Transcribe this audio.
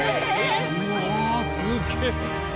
うわあすげえ。